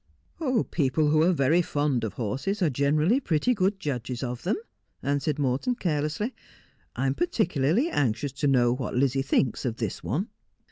' People who are very fond of horses are generally pretty good judges of them,' answered Morton carelessly. ' I am particularly anxious to know what Lizzie thinks of this one.'